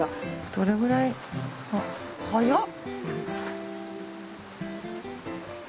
どれぐらい速っ！